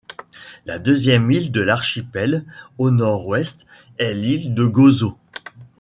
La deuxième île de l'archipel, au nord-ouest, est l'île de Gozo.